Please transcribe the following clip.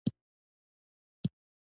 محمد قاسم فرشته لومړی تاریخ لیکونکی دﺉ.